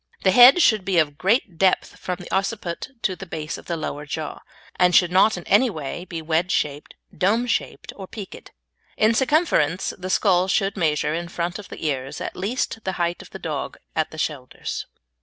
The head should be of great depth from the occiput to the base of the lower jaw, and should not in any way be wedge shaped, dome shaped, or peaked. In circumference the skull should measure in front of the ears at least the height of the dog at the shoulders.